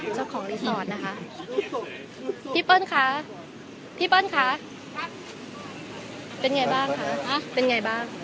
เจ้าของรีสอร์ทนะคะพี่เปิ้ลคะพี่เปิ้ลคะเป็นไงบ้างคะเป็นไงบ้าง